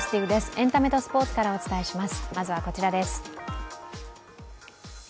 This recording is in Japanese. エンタメとスポーツからお伝えします。